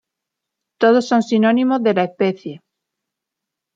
Todos son sinónimos de la especie.